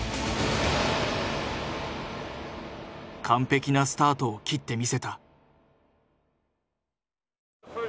完璧なスタートを切ってみせた。